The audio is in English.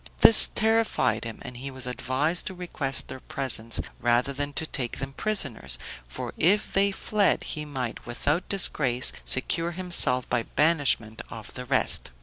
This terrified him, and he was advised to request their presence rather than to take them prisoners, for if they fled, he might without disgrace, secure himself by banishment of the rest.